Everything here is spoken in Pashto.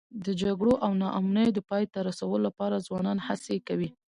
د جګړو او ناامنیو د پای ته رسولو لپاره ځوانان هڅې کوي.